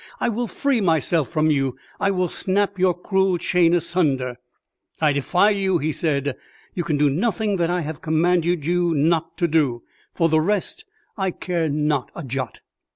"I will free myself from you; I will snap your cruel chain asunder." "I defy you!" he said. "You can do nothing that I have commanded you not to do. For the rest I care not a jot."